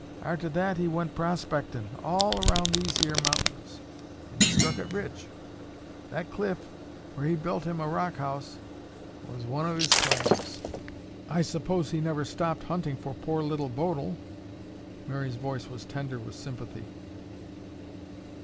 Arter that he went prospectin' all around these here mount'ins an' he struck it rich. That cliff, whar he built him a rock house, was one of his claims." "I suppose he never stopped hunting for poor Little Bodil." Mary's voice was tender with sympathy.